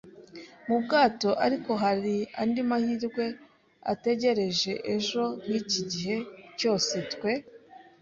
mu bwato, ariko hari andi mahirwe ategereje ejo; n'iki gihe cyose twe